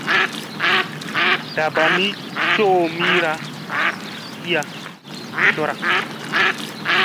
Da ɓami coʼomira kiya cora.